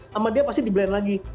sama dia pasti di blend lagi